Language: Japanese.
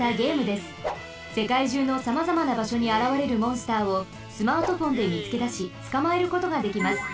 せかいじゅうのさまざまなばしょにあらわれるモンスターをスマートフォンでみつけだしつかまえることができます。